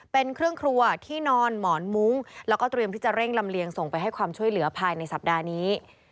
เป็นเครื่องครัวที่นอนหมอนมุ้งแล้วก็เตรียมที่จะเร่งลำเลียงส่งไปให้ความช่วยเหลือภายในสัปดาห์นี้